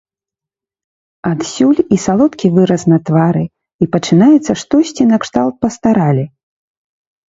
Адсюль і салодкі выраз на твары, і пачынаецца штосьці, накшталт пастаралі.